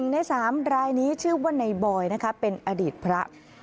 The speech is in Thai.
ใน๓รายนี้ชื่อว่าในบอยนะคะเป็นอดีตพระ